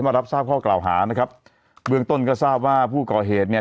รับทราบข้อกล่าวหานะครับเบื้องต้นก็ทราบว่าผู้ก่อเหตุเนี่ย